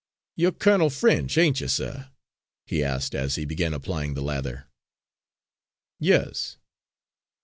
"You're Colonel French, ain't you, suh?" he asked as he began applying the lather. "Yes."